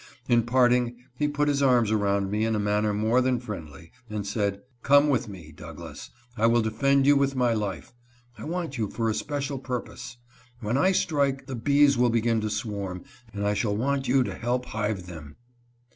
In parting he put his arms around me in a manner more than friend ly, and said :" Come with me, Douglass ; I will defend you with my life. I want you for a special purpose. When I strike, the bees will begin to swarm, and I shall want you to help hive them."